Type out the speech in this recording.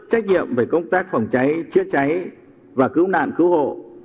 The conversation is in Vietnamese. trách nhiệm về công tác phòng cháy chữa cháy và cứu nạn cứu hộ